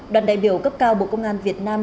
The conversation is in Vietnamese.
đoàn đại biểu cấp cao bộ công an việt nam